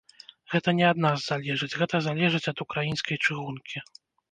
Гэта не ад нас залежыць, гэта залежыць ад украінскай чыгункі.